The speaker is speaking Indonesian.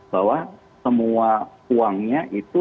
bahwa semua uangnya itu